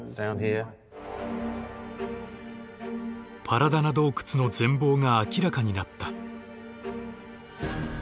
パラダナ洞窟の全貌が明らかになった。